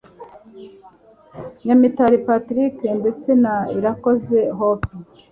Nyamitari Patrick ndetse na Irakoze Hope